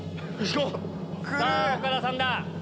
さぁ岡田さんだ